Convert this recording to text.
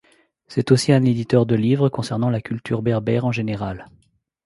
C'est aussi un éditeur de livres concernant la culture berbère en général.